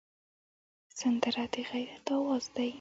سندره د غیرت آواز دی